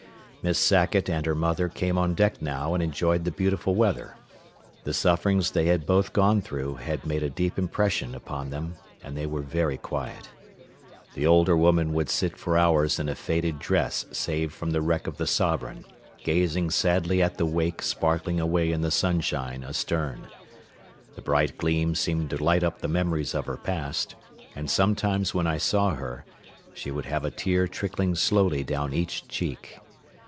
Miss Sackett and her mother came on deck now and enjoyed the beautiful weather. The sufferings they had both gone through had made a deep impression upon them, and they were very quiet. The older woman would sit for hours in a faded dress saved from the wreck of the Sovereign, gazing sadly at the wake sparkling away in the sunshine astern. The bright gleams seemed to light up the memories of her past, and sometimes when I saw her she would have a tear trickling slowly down each cheek.